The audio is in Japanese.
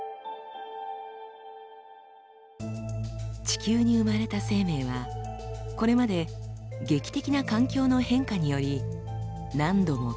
地球に生まれた生命はこれまで劇的な環境の変化により何度も大量絶滅に直面してきました。